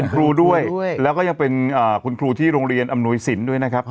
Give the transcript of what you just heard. คุณครูด้วยแล้วก็ยังเป็นคุณครูที่โรงเรียนอำนวยสินด้วยนะครับ